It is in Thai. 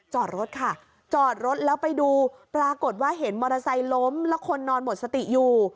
จอดรถค่ะจอดรถแล้วไปดูปรากฏว่าเห็นมอเตอร์ไซค์ล้มแล้วคนนอนหมดสติอยู่